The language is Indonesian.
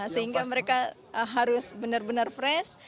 sehingga mereka harus benar benar fresh